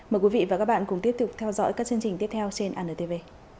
mời quý vị và các bạn cùng tiếp tục theo dõi các chương trình tiếp theo trên antv